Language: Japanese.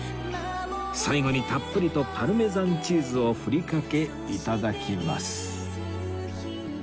最後にたっぷりとパルメザンチーズを振りかけ頂きます